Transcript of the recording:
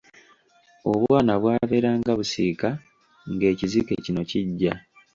Obwana bwabeeranga busiika ng’ekizike kino kijja.